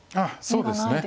そうですね。